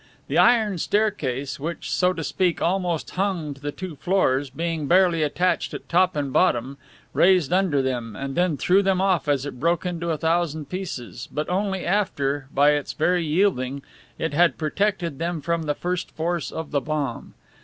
The iron staircase, which, so to speak, almost hung to the two floors, being barely attached at top and bottom, raised under them and then threw them off as it broke into a thousand pieces, but only after, by its very yielding, it had protected them from the first force of the bomb.